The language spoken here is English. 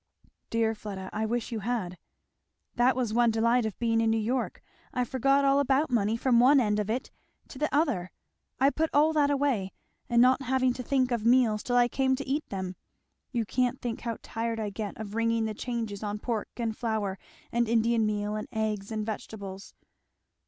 "Dear Fleda! I wish you had!" "That was one delight of being in New York I forgot all about money from one end of it to the other I put all that away; and not having to think of meals till I came to eat them. You can't think how tired I get of ringing the changes on pork and flour and Indian meal and eggs and vegetables!